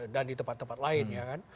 dan di tempat tempat lain